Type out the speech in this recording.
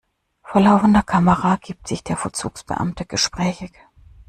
Vor laufender Kamera gibt sich der Vollzugsbeamte gesprächig.